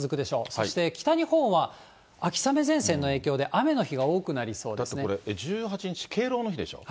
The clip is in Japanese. そして、北日本は秋雨前線の影響で、だってこれ、１８日、敬老の日でしょう。